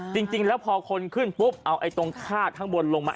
จริงแล้วพอคนขึ้นปุ๊บเอาไอ้ตรงคาดข้างบนลงมา